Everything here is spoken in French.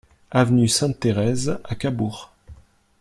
Avenue Sainte-Therese à Cabourg